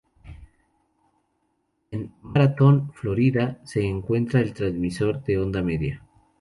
En Marathon, Florida se encuentra el transmisor de onda media.